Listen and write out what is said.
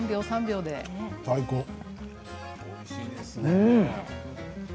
おいしいですね。